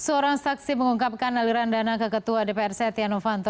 seorang saksi mengungkapkan aliran dana ke ketua dpr setia novanto